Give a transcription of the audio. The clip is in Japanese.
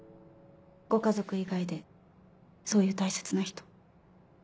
ご家族以外でそういう大切な人。